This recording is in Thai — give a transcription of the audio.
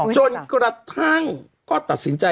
จนกระทั่งก็ตัดสินใจ